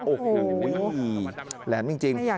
โอ้โหแหลมจริง